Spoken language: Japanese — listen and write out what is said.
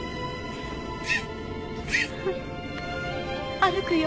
歩くよ